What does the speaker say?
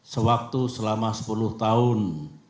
sewaktu selama sepuluh tahun